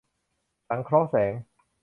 สังเคราะห์แสง